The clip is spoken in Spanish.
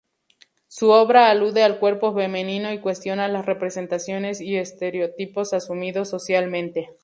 Su obra alude al cuerpo femenino y cuestiona las representaciones y estereotipos asumidos socialmente.